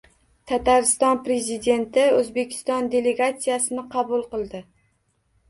Tatariston Prezidenti O‘zbekiston delegatsiyasini qabul qildi